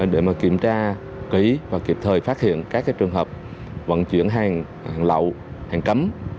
để kiểm tra kỹ và kịp thời phát hiện các trường hợp vận chuyển hàng lậu hàng cấm